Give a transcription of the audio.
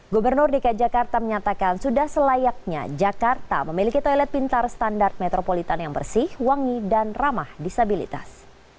gubernur dki jakarta menyatakan sudah selayaknya jakarta memiliki toilet pintar standar metropolitan yang bersih wangi dan ramah disabilitas